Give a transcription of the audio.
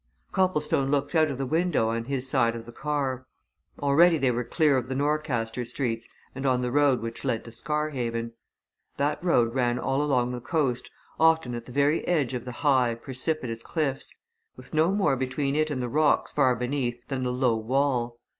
Copplestone looked out of the window on his side of the car. Already they were clear of the Norcaster streets and on the road which led to Scarhaven. That road ran all along the coast, often at the very edge of the high, precipitous cliffs, with no more between it and the rocks far beneath than a low wall.